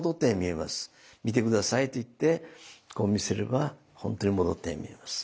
「見て下さい」と言ってこう見せれば本当に戻ったように見えます。